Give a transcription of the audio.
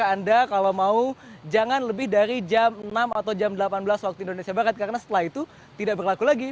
jadi kalau mau jangan lebih dari jam enam atau jam delapan belas waktu indonesia barat karena setelah itu tidak berlaku lagi